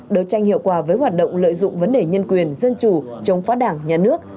đấu tranh hiệu quả với hoạt động lợi dụng vấn đề nhân quyền dân chủ chống phá đảng nhà nước